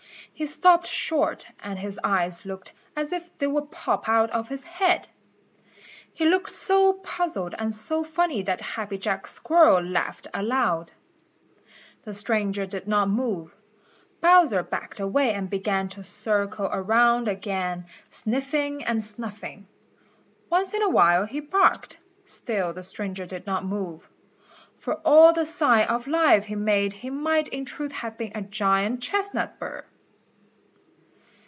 He stopped short and his eyes looked as if they would pop out of his head. He looked so puzzled and so funny that Happy Jack Squirrel laughed aloud. The stranger did not move. Bowser backed away and began to circle around again, sniffing and snuffing. Once in a while he barked. Still the stranger did not move. For all the sign of life he made he might in truth have been a giant chestnut burr.